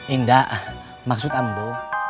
indah maksud ambo